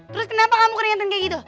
terus kenapa kamu keringatan kayak gitu